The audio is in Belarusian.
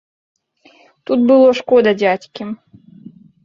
Тут было шкода дзядзькі.